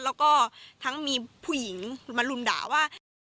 แล้วก็ทั้งมีผู้หญิงมารุมด่าว่า